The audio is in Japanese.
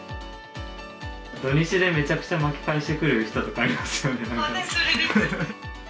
土日でめちゃくちゃ巻き返してくる人とかいますよね。